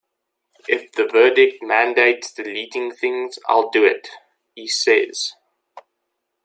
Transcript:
"If the verdict mandates deleting things, I'll do it," he says.